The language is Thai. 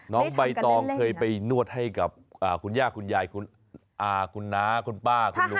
น้องใบตองเคยไปนวดให้กับคุณย่าคุณยายคุณน้าคุณป้าคุณลุง